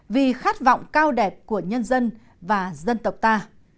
vì khát vọng cao đẹp của nhân dân và dân tộc ta